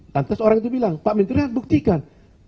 lantas orang itu bilang pak menteri lihat buktikan